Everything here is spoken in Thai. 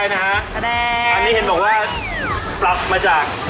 อันนี้เห็นบอกว่าปรับมาจาก